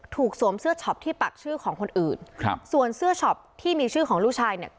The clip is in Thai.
สวมเสื้อช็อปที่ปักชื่อของคนอื่นครับส่วนเสื้อช็อปที่มีชื่อของลูกชายเนี่ย